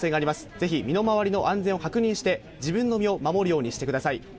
ぜひ、身の回りの安全を確認して、自分の身を守るようにしてください。